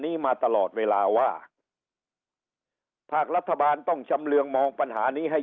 นี้มาตลอดเวลาว่าภาครัฐบาลต้องชำเรืองมองปัญหานี้ให้